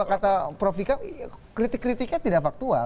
kalau kata prof vika kritik kritiknya tidak faktual